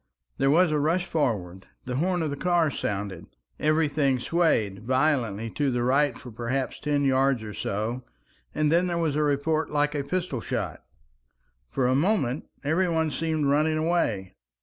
There was a rush forward, the horn of the car sounded, everything swayed violently to the right for perhaps ten yards or so, and there was a report like a pistol shot. For a moment every one seemed running away.